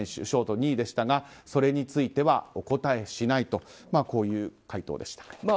ショート２位でしたがそれについてはお答えしないという回答でした。